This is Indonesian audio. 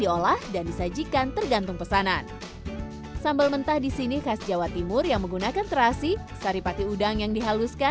oh ada lauknya ya